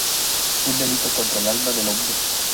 Un delito contra el alma del hombre".